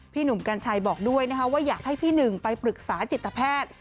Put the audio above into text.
หนุ่มกัญชัยบอกด้วยนะคะว่าอยากให้พี่หนึ่งไปปรึกษาจิตแพทย์